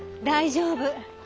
大丈夫。